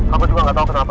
aku juga gak tau kenapa